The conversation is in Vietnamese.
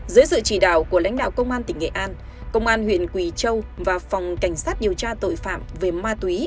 dưới sự chỉ đạo của lãnh đạo công an tỉnh nghệ an công an huyện quỳ châu và phòng cảnh sát điều tra tội phạm về ma túy